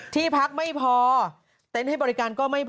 ที่พักไม่พอเต็นต์ให้บริการก็ไม่พอ